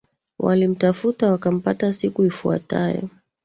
Walimtafuta wakampata siku ifuatayo